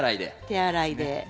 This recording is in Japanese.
手洗いで。